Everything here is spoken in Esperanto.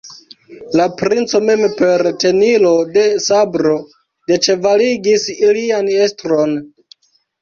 La princo mem per tenilo de sabro deĉevaligis ilian estron.